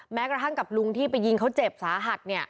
แม้กระทั่งกับลุงที่ไปยิงเขาเจ็บสาหัส